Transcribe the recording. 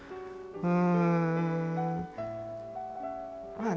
うん。